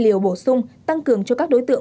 liều bổ sung tăng cường cho các đối tượng